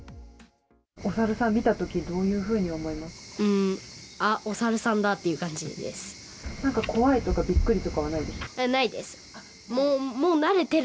お猿さん見たとき、あっ、お猿さんだっていう感なんか怖いとかびっくりとかないです。